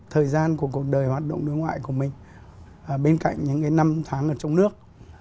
thời gian của cuộc đời hoạt động đối ngoại của mình bên cạnh những năm tháng ở trong nước